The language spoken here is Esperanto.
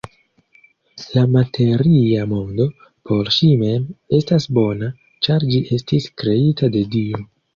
La materia mondo, por si mem, estas bona, ĉar ĝi estis kreita de Dio.